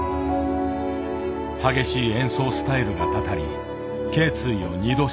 激しい演奏スタイルがたたり頸椎を２度手術。